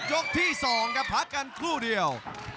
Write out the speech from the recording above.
ยกที่สองครับพักกันเพื่อประหว่างคู่เดียว